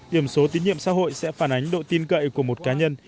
điểm số tín nhiệm xã hội sẽ phản ánh độ tin cậy của một cá nhân